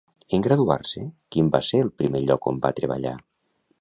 En graduar-se, quin va ser el primer lloc on va treballar?